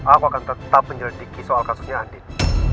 ahok akan tetap menyelidiki soal kasusnya andin